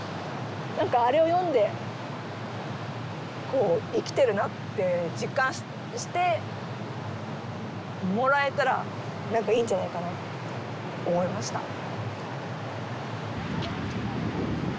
何かあれを読んでこう生きてるなって実感してもらえたら何かいいんじゃないかなって思いました。